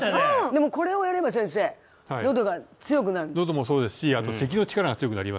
でもこれをやれば先生のどが強くなる？